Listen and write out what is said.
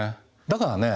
だからね